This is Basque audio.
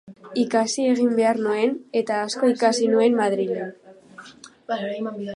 Ikasi egin behar nuen, eta asko ikasi nuen Madrilen.